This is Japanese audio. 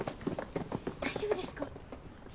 大丈夫ですか？